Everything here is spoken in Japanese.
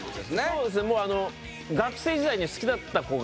そうですね